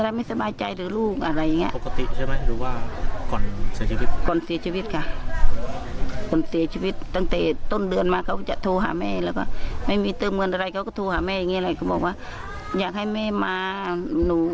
อะแม่อยากไปจะมีปัญหาอะไรบอกแม่นะลูก